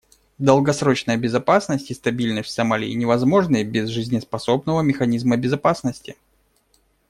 Долгосрочная безопасность и стабильность в Сомали невозможны без жизнеспособного механизма безопасности.